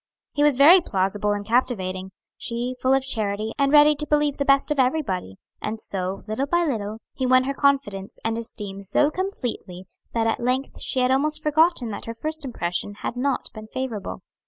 He was very plausible and captivating, she full of charity and ready to believe the best of everybody, and so, little by little, he won her confidence and esteem so completely that at length she had almost forgotten that her first impression had not been favorable.